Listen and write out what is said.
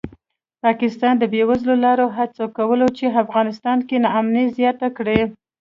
پاکستان د بېلابېلو لارو هڅه کوي چې افغانستان کې ناامني زیاته کړي